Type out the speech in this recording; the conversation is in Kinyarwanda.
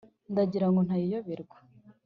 ndagira ngo ntayiyoberwa,